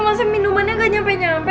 masa minumannya gak nyampe nyampe